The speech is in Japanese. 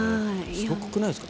すごくないですか？